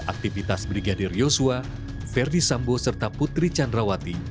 aktivitas brigadir yosua verdi sambo serta putri candrawati